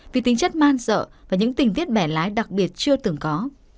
vì tính chất man dợ và những tình tiết bẻ lái đặc biệt chưa từng có